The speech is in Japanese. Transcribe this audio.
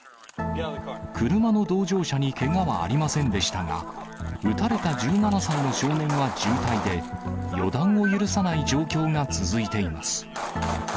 車の同乗者にけがはありませんでしたが、撃たれた１７歳の少年は重体で、予断を許さない状況が続いています。